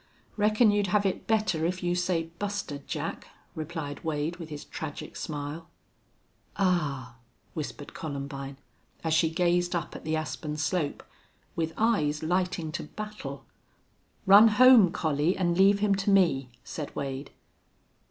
"Reckon you'd have it better if you say Buster Jack," replied Wade, with his tragic smile. "Ah!" whispered Columbine, as she gazed up at the aspen slope, with eyes lighting to battle. "Run home, Collie, an' leave him to me," said Wade.